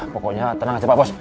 pokoknya tenang ngasih pak bos